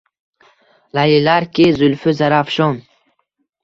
Laylilarki – zulfi Zarafshon.